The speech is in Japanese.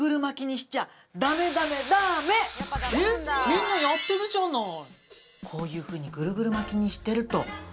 みんなやってるじゃない。